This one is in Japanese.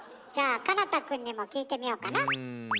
じゃあ奏多くんにも聞いてみようかな。